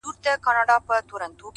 ما پر اوو دنياوو وسپارئ- خبر نه وم خو-